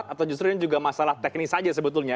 atau justru ini juga masalah teknis saja sebetulnya